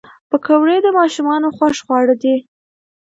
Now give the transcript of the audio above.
پکورې د ماشومانو خوښ خواړه دي